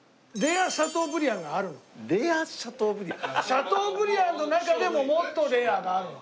シャトーブリアンの中でももっとレアがあるの。